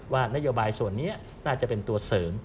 ว่านโยบายส่วนนี้น่าจะเป็นตัวเสริม